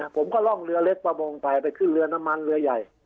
ผมก็ล่องเรือเล็กประมงไปไปขึ้นเรือน้ำมันเรือใหญ่